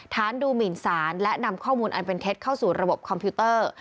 ดูหมินสารและนำข้อมูลอันเป็นเท็จเข้าสู่ระบบคอมพิวเตอร์